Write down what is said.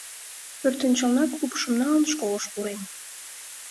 Пӧртӧнчылнак упшым налын, школыш пурен.